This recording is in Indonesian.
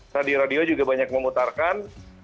jadi radio juga banyak memutarkan